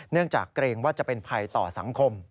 จากเกรงว่าจะเป็นภัยต่อสังคม